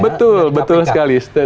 betul betul sekali